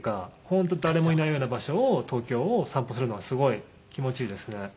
本当誰もいないような場所を東京を散歩するのがすごい気持ちいいですね。